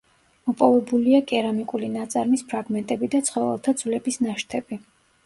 მოპოვებულია კერამიკული ნაწარმის ფრაგმენტები და ცხოველთა ძვლების ნაშთები.